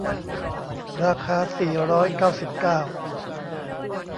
ราคา สี่ร้อยเก้าสิบเก้า